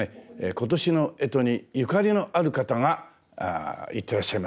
今年の干支にゆかりのある方が行ってらっしゃいます。